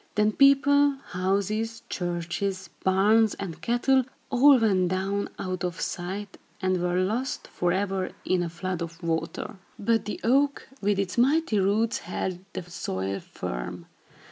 Then people, houses, churches, barns and cattle all went down, out of sight, and were lost forever, in a flood of water. But the oak, with its mighty roots, held the soil firm.